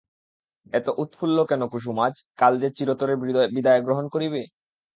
এত উৎফুল্ল কেন কুসুম আজ, কাল যে চিরতরে বিদায় গ্রহণ করিবে?